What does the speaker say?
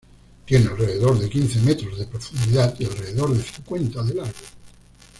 Tiene alrededor de quince metros de profundidad y alrededor de cincuenta de largo.